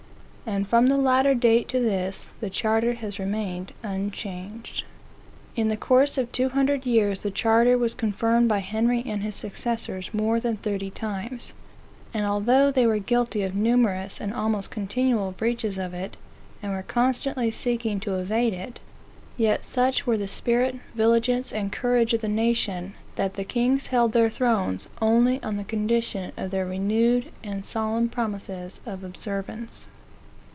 And from the latter date to this, the charter has remained unchanged. In the course of two hundred years the charter was confirmed by Henry and his successors more than thirty times. And although they were guilty of numerous and almost continual breaches of it, and were constantly seeking to evade it, yet such were the spirit, vigilance and courage of the nation, that the kings held their thrones only on the condition of their renewed and solemn promises of observance.